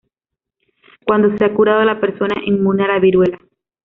Cuando se ha curado, la persona es inmune a la viruela.